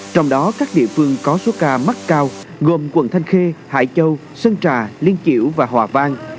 trong đó các địa phương có số ca mắc cao gồm quận thanh khê hải châu sơn trà liên kiểu và hòa vang